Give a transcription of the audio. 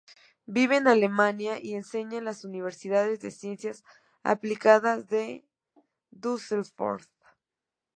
Vive en Alemania y enseña en la Universidad de Ciencias Aplicadas de Düsseldorf.